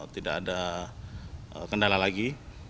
tidak ada kendala lagi